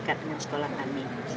dekat dengan sekolah kami